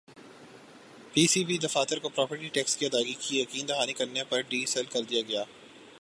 پی C B دفاتر کو property tax کی ادائیگی کی یقین دہانی کرانے پر ڈی سیل کر دیا گیا